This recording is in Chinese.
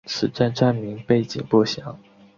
此站站名背景不详。